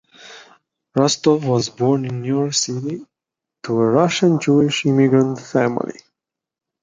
Rostow was born in New York City, to a Russian Jewish immigrant family.